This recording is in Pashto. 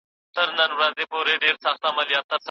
که د دغه امت مدې ته اشاره ده او داسي نور؟